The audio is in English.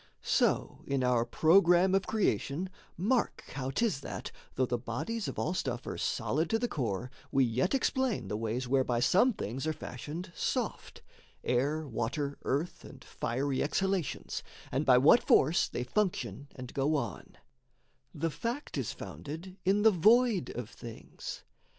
So in our programme of creation, mark How 'tis that, though the bodies of all stuff Are solid to the core, we yet explain The ways whereby some things are fashioned soft Air, water, earth, and fiery exhalations And by what force they function and go on: The fact is founded in the void of things.